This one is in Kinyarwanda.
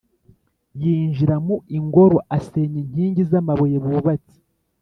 Yinjira muingoro asenya inkingi z’amabuye bubatse